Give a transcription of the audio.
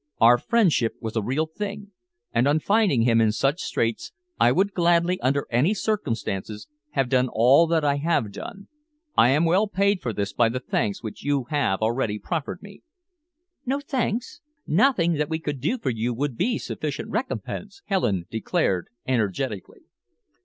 Our friendship was a real thing, and, finding him in such straits, I would gladly, under any circumstances, have done all that I have done. I am well paid for this by the thanks which you have already proffered me." "No thanks nothing that we could do for you would be sufficient recompense," Helen declared energetically.